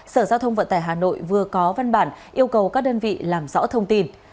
sở giao thông vận tải hà nội vừa có văn bản yêu cầu các đơn vị làm rõ thông tin